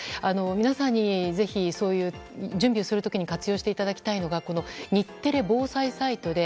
皆さんにぜひそういう準備をする時に活用していただきたいのが日テレ防災サイトです。